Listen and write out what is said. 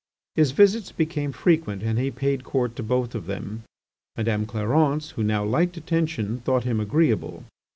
His visits became frequent and he paid court to both of them. Madame Clarence, who now liked attention, thought him agreeable.